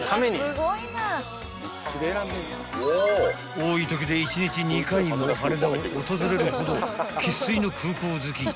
［多いときで１日２回も羽田を訪れるほど生粋の空港好き］